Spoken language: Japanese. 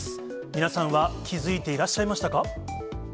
皆さんは気付いていらっしゃいましたか。